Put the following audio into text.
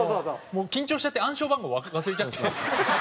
もう緊張しちゃって暗証番号忘れちゃって。